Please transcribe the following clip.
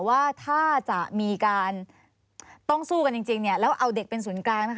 ว่าถ้าจะมีการต้องสู้กันจริงแล้วเอาเด็กเป็นศูนย์กลางนะคะ